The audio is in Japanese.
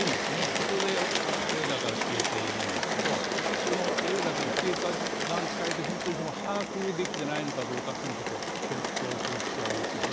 そこでレーダーから消えているんですけど、レーダーから消えた段階で、本当に把握できていないのかどうかちょっと検討する必要、ありますよね。